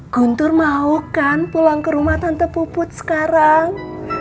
guntur mau kan pulang ke rumah tante puput sekarang